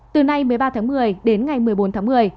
từ nay một mươi ba tháng một mươi đến ngày một mươi bốn tháng một mươi